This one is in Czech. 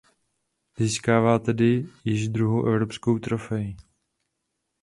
Získává tedy již druhou evropskou trofej.